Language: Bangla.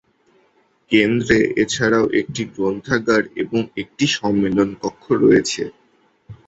কেন্দ্রে এছাড়াও একটি গ্রন্থাগার এবং একটি সম্মেলন কক্ষ রয়েছে।